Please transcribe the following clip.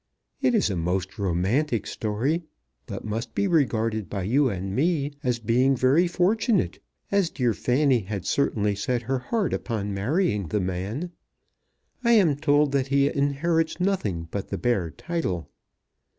It is a most romantic story, but must be regarded by you and me as being very fortunate, as dear Fanny had certainly set her heart upon marrying the man. I am told that he inherits nothing but the bare title.